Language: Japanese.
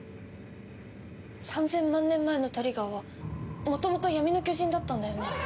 ３，０００万年前のトリガーはもともと闇の巨人だったんだよね？